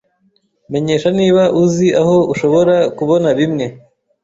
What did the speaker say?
Menyesha niba uzi aho ushobora kubona bimwe.